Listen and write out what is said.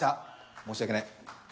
申し訳ない。